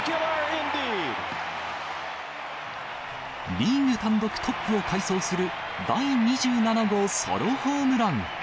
リーグ単独トップを快走する、第２７号ソロホームラン。